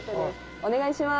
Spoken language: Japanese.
「お願いします」